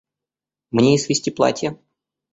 Мне ей свезти платья.